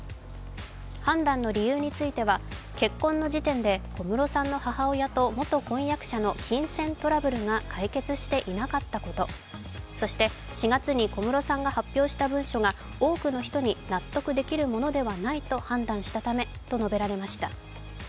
判断の理由については、結婚の時点で小室さんの母親と元婚約者の金銭トラブルが解決していなかったことそして４月に小室さんが発表した文書が、多くの人に納得できるものではないと判断したためと述べられました。